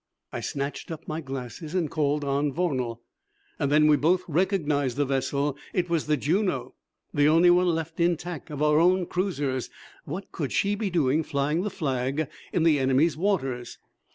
I snatched up my glasses and called on Vornal. Then we both recognized the vessel. It was the Juno, the only one left intact of our own cruisers. What could she be doing flying the flag in the enemy's waters?